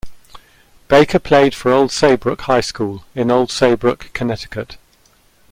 Baker played for Old Saybrook High School in Old Saybrook, Connecticut.